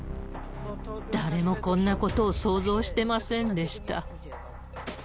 誰もこんなことを想像してませんでした。